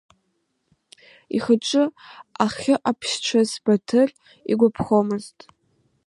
Ихаҿы ахьыҟаԥшьцәаз Баҭыр игәаԥхомызт.